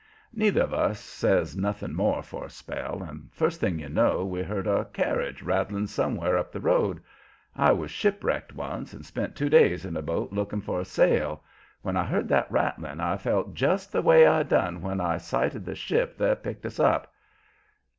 Neither of us says nothing more for a spell, and, first thing you know, we heard a carriage rattling somewhere up the road. I was shipwrecked once and spent two days in a boat looking for a sail. When I heard that rattling I felt just the way I done when I sighted the ship that picked us up.